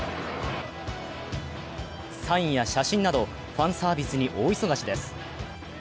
サインや写真などファンサービスに大忙しです。